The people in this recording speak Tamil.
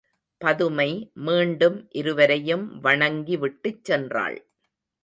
பதுமை மீண்டும் இருவரையும் வணங்கி விட்டுச் சென்றாள்.